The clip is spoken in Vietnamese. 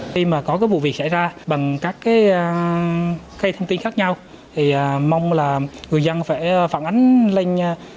khi mà có cái vụ việc xảy ra bằng các cái thông tin khác nhau thì mong là người dân phải phản ánh lên